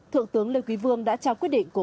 thượng tướng lê quý phương đã trao quyết định của